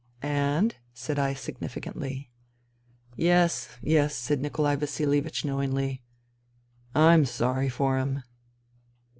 " And " said I significantly. " Yes ... yes," said Nikolai Vasilievich know ingly. " I'm sorry for him.'